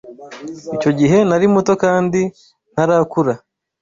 Icyo gihe nari muto kandi ntarakura.